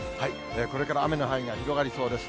これから雨の範囲が広がりそうです。